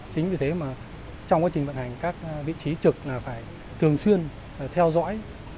chính vì thế mà trong quá trình vận hành các vị trí trực là phải thường xuyên theo dõi